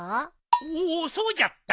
おおそうじゃった。